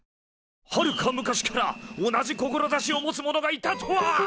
はるか昔から同じ志を持つ者がいたとは！